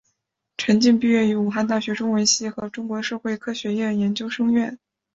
陈晋毕业于武汉大学中文系和中国社会科学院研究生院。